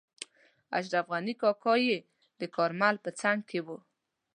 اشرف غني کاکا یې د کارمل په څنګ کې وو.